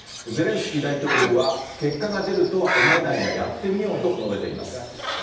ゼレンスキー大統領は、結果が出るとは思えないが、やってみようと述べています。